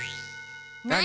何？